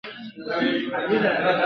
د ابوجهل د دې سکني زوی ..